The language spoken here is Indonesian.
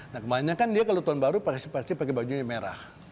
nah kemarin kan dia kalau tahun baru pasti pakai bajunya merah